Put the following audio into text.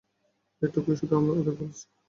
এটুকুই শুধু ওদের বলেছি!